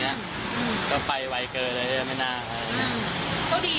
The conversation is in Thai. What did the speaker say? เหยฐานั้นไม่มีอะไรแบบปกติอารมณ์ดี